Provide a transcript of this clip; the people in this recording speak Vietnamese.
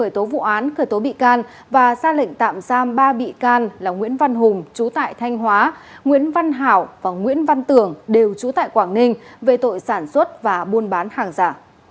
tạm giam ba bị can là nguyễn văn hùng chú tại thanh hóa nguyễn văn hảo và nguyễn văn tưởng đều chú tại quảng ninh về tội sản xuất và buôn bán hàng giả